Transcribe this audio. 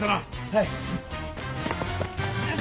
はい。